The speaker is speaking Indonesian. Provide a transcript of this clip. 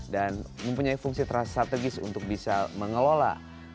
dan mempunyai fungsi terasa strategis untuk bisa mengelola